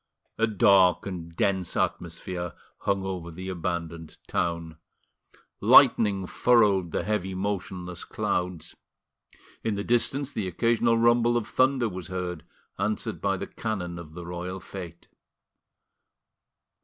A dark and dense atmosphere hung over the abandoned town; lightning furrowed the heavy motionless clouds; in the distance the occasional rumble of thunder was heard, answered by the cannon of the royal fete.